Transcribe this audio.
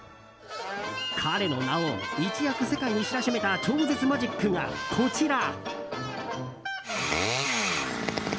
彼の名を一躍世界に知らしめた超絶マジックが、こちら。